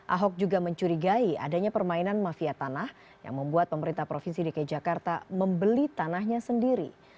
ahok juga mencurigai adanya permainan mafia tanah yang membuat pemerintah provinsi dki jakarta membeli tanahnya sendiri